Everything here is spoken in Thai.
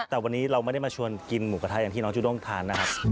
แต่วันนี้เราไม่ได้มาชวนกินหมูกระทะอย่างที่น้องจูด้งทานนะครับ